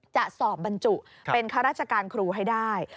จะสอบบรรจุเป็นข้าราชการครูให้ได้